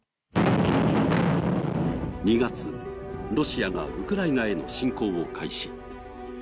２月、ロシアがウクライナへの侵攻を開始。